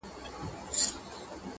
چي تاثیرات یې تر اوسه پاته دي